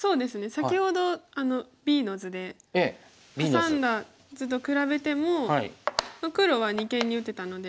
先ほどＢの図でハサんだ図と比べても黒は二間に打てたので。